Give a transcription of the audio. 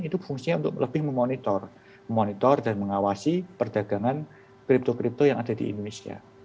itu fungsinya untuk lebih memonitor dan mengawasi perdagangan kripto kripto yang ada di indonesia